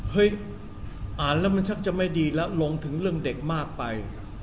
อ่านแล้วมันชักจะไม่ดีแล้วลงถึงเรื่องเด็กมากไป